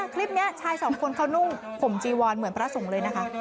คลิปนี้ชายสองคนเขานุ่งห่มจีวอนเหมือนพระสงฆ์เลยนะคะ